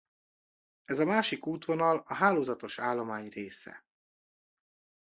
Ez a másik útvonal a hálózatos állomány része.